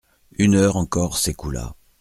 Une heure encore s'écoula.